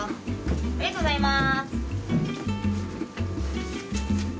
ありがとうございます。